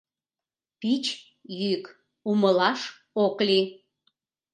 Пич йӱк, умылаш ок лий.